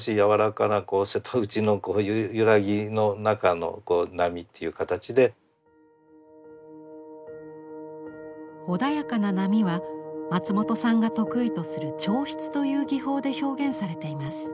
まあこういう穏やかな波は松本さんが得意とする彫漆という技法で表現されています。